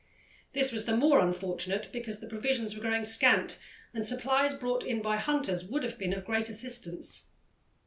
This was the more unfortunate because the provisions were growing scant, and supplies brought in by hunters would have been of great assistance.